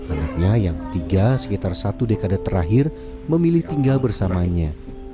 anaknya yang tiga sekitar satu dekade terakhir memilih tinggal bersamanya